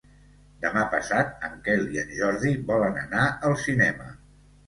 Demà passat en Quel i en Jordi volen anar al cinema.